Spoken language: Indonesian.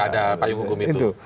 ada payung hukum itu